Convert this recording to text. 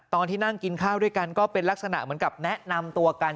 ตอนที่นั่งกินข้าวด้วยกันก็เป็นลักษณะเหมือนกับแนะนำตัวกัน